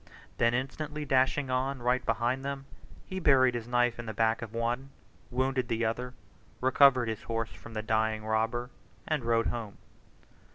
Then instantly dashing on, right behind them, he buried his knife in the back of one, wounded the other, recovered his horse from the dying robber, and rode home.